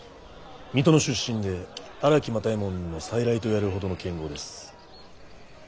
水戸の出身で荒木又右衛門の再来といわれるほどの剣豪です。